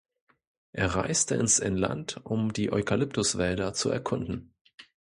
Er reiste ins Inland, um die Eukalyptuswälder zu erkunden.